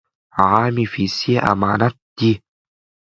عامې پیسې امانت دي.